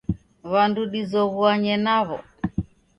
W'andu dizoghuanye naw'o.